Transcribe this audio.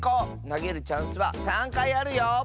なげるチャンスは３かいあるよ！